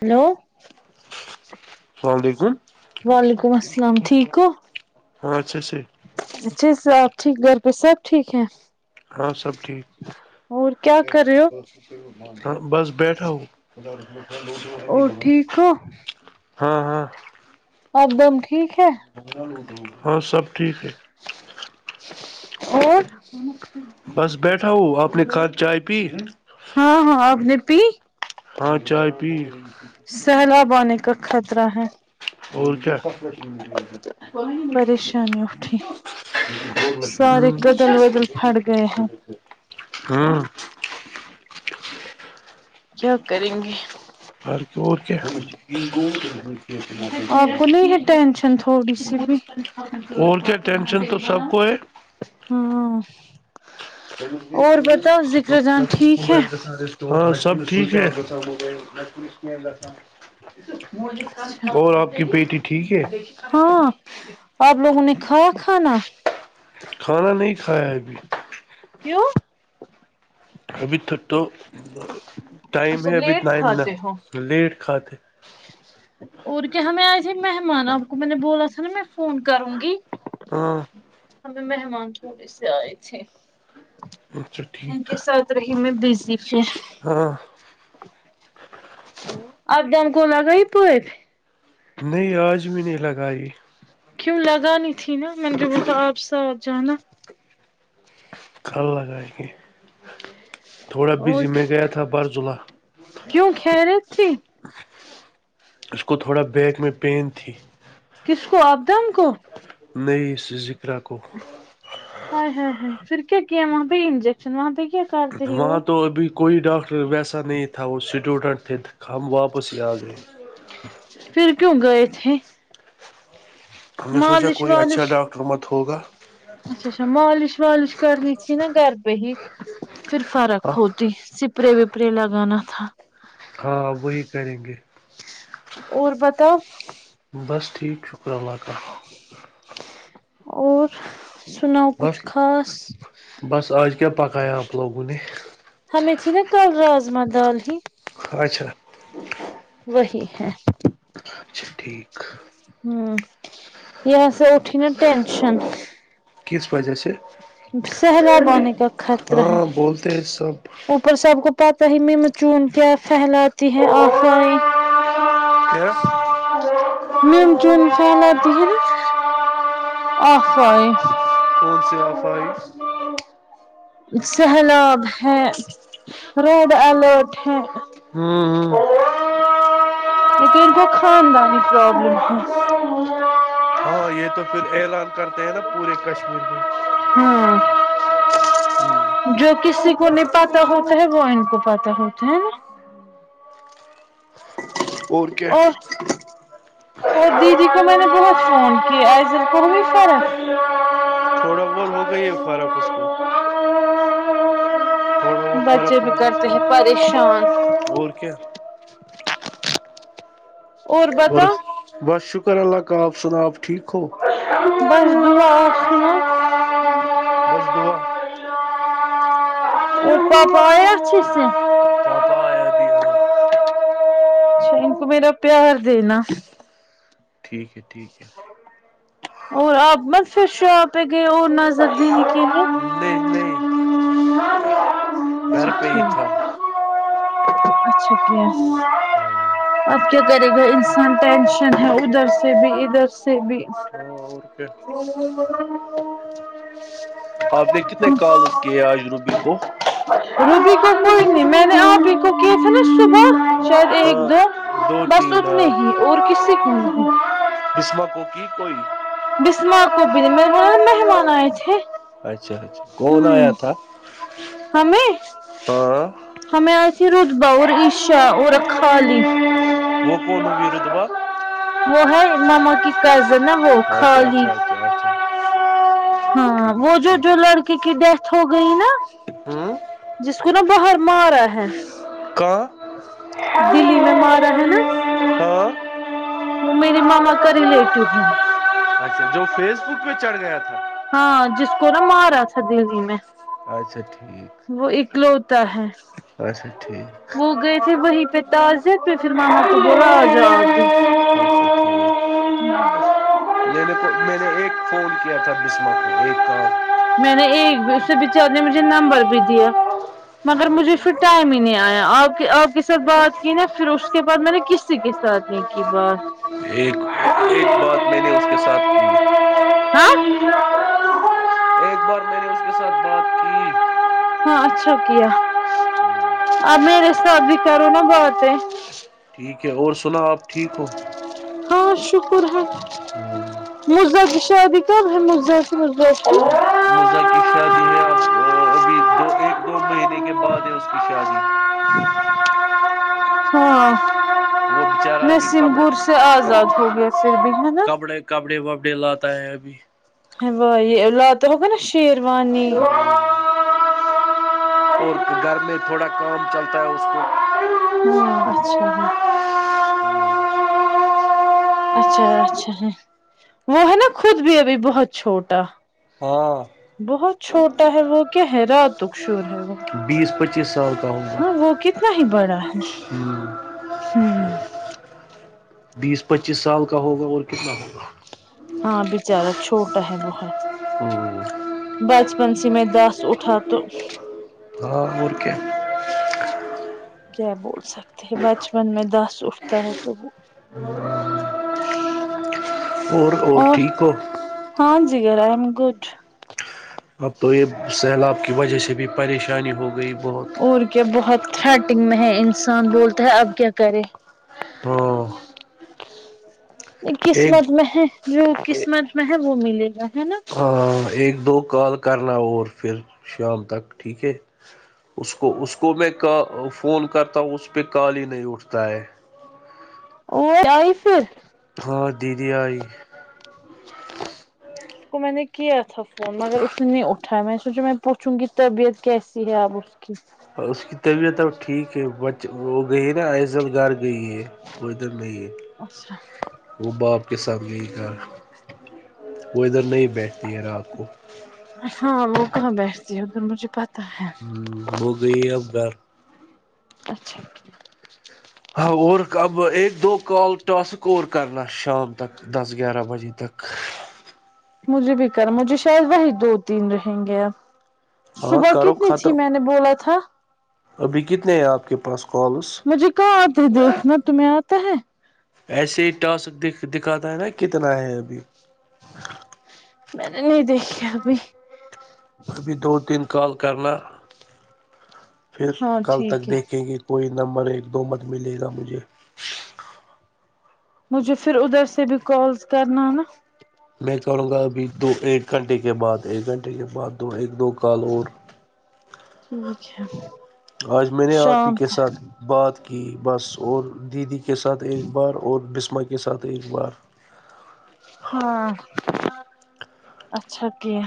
hello السلام علیکم وعلیکم السلام ٹھیک ہو ہاں اچھے سے اچھے سے آپ ٹھیک گھر پہ سب ٹھیک ہے ہاں سب ٹھیک اور کیا کر رہے ہو ہاں بس بیٹھا ہوں اور ٹھیک ہو ہاں ہاں اب دم ٹھیک ہے ہاں سب ٹھیک ہے اور بس بیٹھا ہوں آپ نے کھان چائے پی ہاں ہاں آپ نے پی ہاں چائے پی سیلاب آنے کا خطرہ ہے اور کیا پریشانی اٹھی سارے کدل ودل [unintelligible] ہوں پھٹ گئے ہیں ہاں کیا کریں گے اور غور کیا آپ کو نہیں ہے ٹینشن تھوڑی سی بھی اور کیا ٹینشن تو سب کو ہے ہاں اور بتاؤ ذکر جان ٹھیک ہے [unintelligible] وہاں سب ٹھیک ہے اچھا اور آپ کی بیٹی ٹھیک ہے ہاں آپ لوگوں نے کھایا کھانا کھانا نہیں کھایا ہے ابھی کیوں ابھی ٹھٹ تو ٹائم اچھا ہے ابھی لیٹ ٹائم نہ کھاتے ہو لیٹ کھاتے اور کیا ہمیں آئے تھے مہمان آپ کو میں نے بولا تھا نا میں فون کروں گی ہاں ہمیں مہمان تھوڑے سے آئے تھے اچھا ان ٹھیک کے ساتھ رہی میں بزی پھر ہاں آبدم کو لگائی پیر نہیں آج بھی نہیں لگائی کیوں لگانی تھی نا میں نے جو بولا تھا آپ ساتھ جانا کل لگائیں گے تھوڑا اور بزی میں گیا تھا بارزولہ کیوں خیریت تھی اس کو تھوڑا بیک میں پین تھی کس کو آبدم کو نئی ذکرہ کو ہاے ہاے ہاے پھر کیا کیا وہاں پہ انجکشن ش وہا پے کیا کر وہاں تو ابھی کوئی ڈاکٹر ویسا نہیں تھا وہ اسٹوڈنٹ تھے ہم واپس ہی آ گئے پھر کیوں گئے تھے ہم نے سونچا مالش کوئی والش اچھا ڈاکٹر مت ہوگا اچھا اچھا مالش ولش کرنی تھی نا گھر پہ ہی پھر فرق ہاں ہو جی سپرے وپرے لگانا تھا ہاں وہی کریں گے اور بتاؤ بس ٹھیک شکر اللہ کا اور سناؤ کچھ بس خاص بس آج کیا پکایا ہے آپ لوگوں نے ہمیں تھی نا کل رازما دال ہی اچھا وہی ہے اچھا ٹھیک ہوں یاس اٹھی نا ٹینشن کس وجہ سے سیلاب آنے کا خطرہ ہے ہاں بولتے ہیں سب اوپر سب کو پتہ ہی مم چون کیا پھیلاتی ہے افواہیں ج [unintelligible] نم چون پھیلاتی ہے نا آفوائے کون سے آفائی سیلاب ہے ریڈ الرٹ ہے ہاں یہ تو انکو خاندانی پرابلم ہے یہ تو پھر اعلان کرتے ہیں نا پورے کشمیر میں ہاں جو کسی کو نہیں پتا ہوتا ہے وہ ان کو پتا ہوتا ہے نا اور اور دیدی کو میں نے بہت فون کی ایزل کوئی فرق خاتم ہو گئی ہے خارا اس کا [unintelligible] بہت بچے فرق بھی ہو کرتے ہیں پریشان گیا اور کیا اور بس شکر ہے اللہ کا آپ سناؤ آپ ٹھیک ہو بس دعا سنو بس دعا اور پاپا آیا اچھے سے پاپا آیا بھی ہاں اچھا ان کو میرا پیار دینا ٹھیک ہے ٹھیک ہے اور آپ مت پھر [unintelligible] شو پہ گئے اور نظر دینے کے لیے نہیں نہیں گھر اچھا پہ ہی تھا ٹھیک اچھا کیا اب کیا کرے گا انسان ٹینشن ہے ادھر سے بھی ادھر سے بھی ہاں اور کیا ہ آپ نے کتنے کالز کیے آج روبی کو روبی کو ہاں کوئی نہیں میں نے آپ ہی کو کیا تھا نا صبح شاید ایک دو دو بس تین اتنے ہاں ہی اور کسی کو نہیں بسمہ کو کی کوئی بسمار کو بھی میں نے بولا نا مہمان آئے تھے اچھا اچھا کون ہمم آیا تھا ہمیں ہاں ہمیں آئی تھی رتبا اور عشا اور خالی [unintelligible] وہ ہے ماما کی کزن نہ وہ کھالی ج اچھا ہاں ٹھیک وہ جو ٹھیک جو ہوں لڑ کی ڈیتھ ہو گئی نا جس کو نا باہر مارا ہے کہا دلی میں مارا ہے نا وہ میری ماما کا ریلیٹو ہے اچھا جو فیس بک پہ چڑھ گیا تھا ہاں جس کو نا مارا تھا دللی میں اچھا ٹھیک وہ اکلوتا ہے اچھا ٹھیک وہ گئے تھے وہیں پہ تاز پہ پھر اچھا ماما کو ٹھیک بولا آ جاؤ آپ بھی ہوں میںے کو میں نے ایک فون کیا تھا بسمہ کو ایک کال میں نے ایک بھی اس سے بچار نے مجھے نمبر بھی دیا مگر مجھے پھر ٹائم ہی نہیں آیا آپ کے آپ کے ساتھ بات کی نا پھر اس کے بعد میں نے کسی کے ساتھ ایک ہی بار ایک ایک بات میں نے اس کے ساتھ ہاں ایک بار میں نے اس کے ساتھ بات کی ہاں اچھا کیا ا میرے ساتھ بھی کرو نا باتیں ٹھیک ہے اور سنا آپ ٹھیک ہو ہاں شکر ہے مزہ شادی کب ہے مز بییستتی مرزا کی شادی ہے اب ابھی دو ایک دو مہینے کے بعد ہے اس کی شادی ہاں وہ بیچارہ ابھی نسیم گر سے آزاد کپڑے ہوگیا پھر بہن ہے نا کپڑے کپڑے وپڑے لاتا ہے ابھی ہوائی لاتے ہوگا نا شیروانی کہ گھر میں تھوڑا کام چلتا ہے اس کو ہوں اچھا ہے اچھا ہے اچھا ہے وہ ہے نا خود بھی ابھی بہت چھوٹا ہاں بہت چھوٹا ہے وہ کیا ہے راتک شور ہے وہ بیس پچیس سال کا ہاں ہوگا وہ کتنا ہی بڑا ہے ہمم بیس پچیس سال کا کا ہوگا اور کتنا ہوگا ہاں بچارا چھوٹا ہے بہت بچپن سے میں داس اٹھا تو ہاں اور کیا کیا بول سکتے ہیں بچپن میں دس اٹھتا ہے تو وہ اور اور ٹھیک ہو ہاں جی آئی ایم گڈ اب تو یہ سیلاب کی وجہ سے بھی پریشانی ہو گئی بہت اور کیا بہت تھریٹنگ میں ہے انسان بولتا ہے اب کیا کرے ہاں یہ ایک قسمت میں ہے جو قسمت میں ہے وہ ملے گا ہے نا ہاں ایک دو کال کررہا ہو اور پھر شام تک ٹھیک ہے اس کو اس کو میں کا فون کرتا ہوں اس پہ کال ہی نہیں اٹھتا ہے [unintelligible] ہاں دیدی آئی اس کو میں نے کیا تھا فون مگر اس نے نہیں اٹھایا میں نے سوچا میں پوچھوں گی طبیعت کیسی ہے اب اس کی اور اس کی طبیعت اب ٹھیک ہے ب وہ گئی نا ایزل گھر گئی ہے وہ ادھر نہیں ہے اچھا وہ باپ کے ساتھ گئی گھر وہ ادھر نہیں بیٹھتی ہے رات کو ہاں وہ کہاں بیٹھتی ہے پھر مجھے پتہ ہے ہمم وہ گئی ہے اب گھر اچھا ہاں اور اب ایک دو کال ٹاسک اور کرنا شام تک دس گیارہ بجے تک مجھے بھی کر مجھے شاید وہی دو تین رہیں گے اب ہاں صبح کرو کتنی تھی ختم میں نے بولا تھا ابھی کتنے ہیں آپ کے پاس کالس مجھے کہاں آتے ہے دیکھنے تمہیں آتا ہے ایسے ہی ٹاسک دی دکھاتا ہے نا کتنا ہے ابھی میں نے نہیں دیکھیا ابھی ابھی دو تین کال کرنا پھر ہاں کل تک ٹھیک ہے دیکھیں گے کوئی نمبر ایک دو مت ملے گا مجھے مجھے پھر ادھر سے بھی کالس کرنا نا میں کرونگا ابھی دو ایک گھنٹے کے بعد ایک گھنٹے کے بعد دو ایک دو کال اور ٹھیک ہے آج میں نے آپ ہی شام کے تک ساتھ بات کہ بس اور دیدی کے ساتھ ایک بار اور بسمہ کے ساتھ ایک بار ہاں اچھا کیا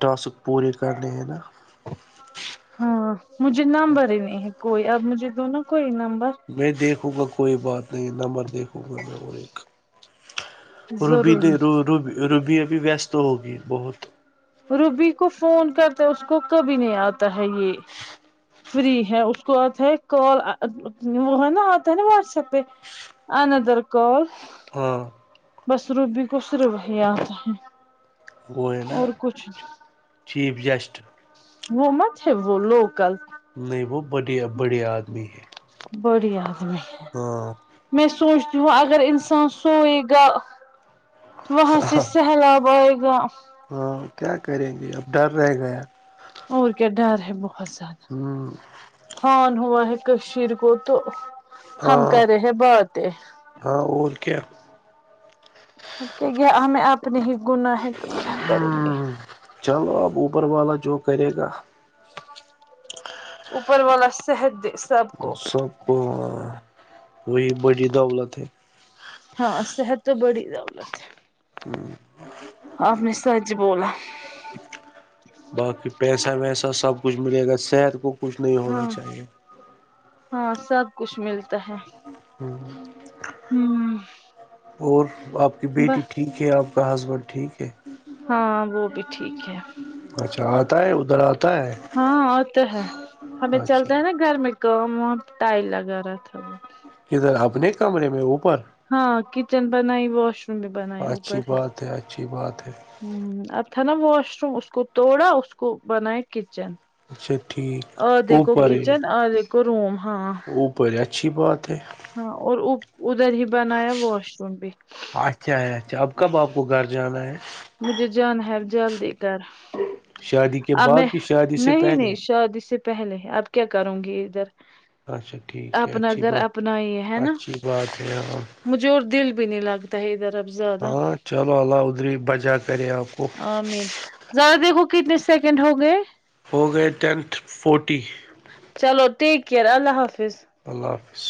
ٹاسک پورے کرنے ہیں نا ہاں مجھے نمبر ہی نہیں ہے کوئی اب مجھے دو نا کوئی نمبر میں دیکھوں گا کوئی بات نہیں نمبر دیکھوں گا میں اور ایک روبی ضروری نے رو رو روبی ابھی ویست ہوگی بہت روبی کو فون کرتا اس کو کبھی نہیں آتا ہے یہ فری ہے اس کو آتا ہے کال وہ ہے نا آتا ہے نا واٹس ایپ پہ آنادر کال ہاں بس روبی کو پھر وہی آتا ہے وہ ہے نا اور کچھ چیف گیسٹ وہ مت ہے وہ لوکل نہیں وہ بڑھیا بڑھیا آدمی ہیں بڑھیا آدمی تو میں سوچتی ہوں اگر انسان سوئے گا وہاں سے سہلاب آئے گا ہاں کیا کریں گے اب ڈر رہ گیا اور کیا ڈر ہے بہت زیادہ ہمم فان ہوا ہے کشیر کو تو ہم ہاں کرے رہے ہیں باتیں ہاں اور کیا دیکھیے ہمیں اپنے ہی گنا ہے تو کیا کریں گے چلو اب اوپر والا جو کرے گا اوپر والا صحت دے سا سب کو وا وہی بڑی دولت ہے ہاں صحت تو بڑی دولت ہے امم آپ نے سچ بولا یہ باقی پیسہ ویسا سب کچھ ملے گا صحت کو کچھ نہیں ہونا ہاں چاہیے ہاں سب کچھ ملتا ہے امم امم اور آپ کی بیٹی ٹھیک ہے آپ کا ہسبینڈ ٹھیک ہے ہاں وہ بھی ٹھیک ہے اچھا آتا ہے ادھر آتا ہے ہاں آتے ہے ہمیں اچھا چلتا ہے نا گھر میں کام واں ٹائل لگا رہا تھا ہے کدھر اپنے کمرے میں اوپر ہاں کچن بنائی واش روم بھی بنائے اوپر ہی یہ اچھی بات ہے امم اب تھا نا واش روم اس کو توڑا اس کو بناںے کچن اچھا ٹھیک آدیکھو اوپر ہے کچن آدیکھو روم ہاں اوپر اچھی بات ہے ہاں اور اوپ ادھر ہی بنایا واش روم بھی اچھا ہے اچھا اب کب آپ کو گھر جانا ہے مجھے جانا ہے جلدی کر شادی کے اب میں بعد کی شادی سے نہیں پہلے نہیں شادی سے پہلے اب کیا کروں گی ادھر اچھا ٹھیک ہے اپنا اچھی گھر بات اپنا ہی ہے نا اچھی بات ہے ہاں مجھے اور دل بھی نہیں لگتا ہے ادھر اب زیادہ ہاں چلو اللہ ادھری بجا کرے آپ کو آمین زرا دیکھو کتنے سیکنڈ ہو گئے ہو گئے ٹینتھ فورٹی چلو ٹیک کیر اللہ حافظ اللہ حافظ